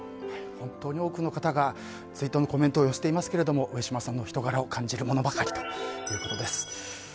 本当に多くの方が追悼のコメントを寄せていますが上島さんの人柄を感じるものばかりということです。